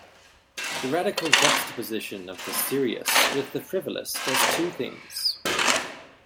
The radical juxtaposition of the serious with the frivolous does two things.